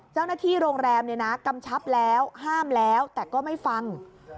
เจ้าหน้าที่โรงแรมกำชับแล้วห้ามแล้วแต่ก็ไม่ฟัง